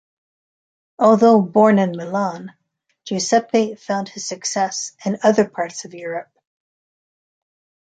Although born in Milan, Giuseppe found his success in other parts of Europe.